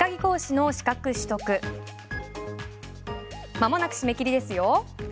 まもなく締め切りですよ。